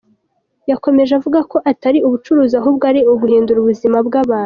Yakomeje avuga ko atari ubucuruzi ahubwo ari uguhindura ubuzima bw'abantu.